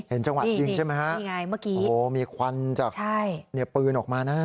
จังหวะยิงใช่ไหมฮะนี่ไงเมื่อกี้โอ้โหมีควันจากปืนออกมานะ